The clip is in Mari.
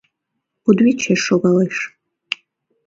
Кудывечеш шогалеш.